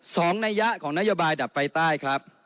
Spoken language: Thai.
นัยยะของนโยบายดับไฟใต้ครับ